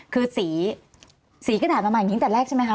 คือสีสีกระดาษมันมาอย่างนี้ตั้งแต่แรกใช่ไหมคะ